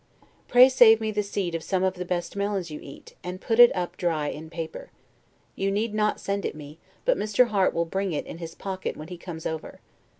Pray save me the seed of some of the best melons you eat, and put it up dry in paper. You need not send it me; but Mr. Harte will bring it in his pocket when he comes over.